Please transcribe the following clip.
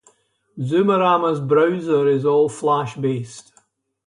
Zoomorama's browser is all Flash based.